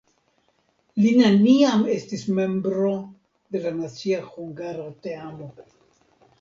Li neniam estis membro de la nacia hungara teamo.